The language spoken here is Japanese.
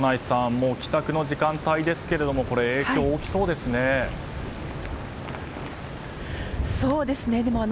もう帰宅の時間帯ですけれども影響が大きそうですね。